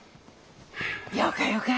よかよか。